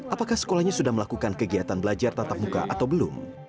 apakah sekolahnya sudah melakukan kegiatan belajar tatap muka atau belum